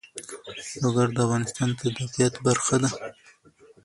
لوگر د افغانستان د طبیعت برخه ده.